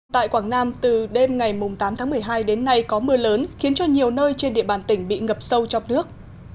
tại quảng nam từ đêm ngày tám tháng một mươi hai đến nay có mưa lớn khiến cho nhiều nơi trên địa bàn tỉnh bị ngập sâu trong nước